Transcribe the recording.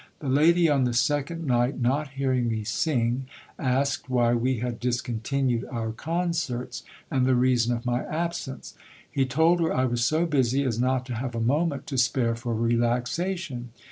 The lady on the second night not hearing me sing, asked why we had discontinued our concerts, and the reason of my absence. He told her I was so busy as not to have a moment to spare for relaxation.